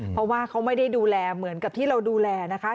เพราะว่าเขาไม่ได้ดูแลเหมือนกับที่เราดูแลนะคะ